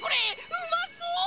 うまそう！